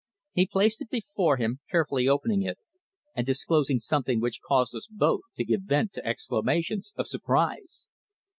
He placed it before him, carefully opening it and disclosing something which caused us both to give vent to exclamations of surprise.